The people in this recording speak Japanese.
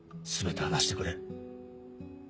全て話してくれ。